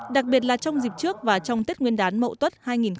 đặc biệt là trong dịch trước và trong tết nguyên đán mậu tuất hai nghìn một mươi tám